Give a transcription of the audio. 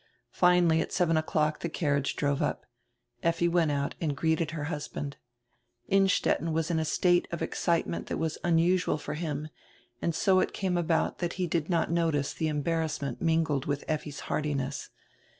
Finally, at seven o'clock, the carriage drove up. Effi went out and greeted her hus band. Innstetten was in a state of excitement diat was unusual for him and so it came about diat he did not notice the embarrassment mingled widi Effi's heartiness.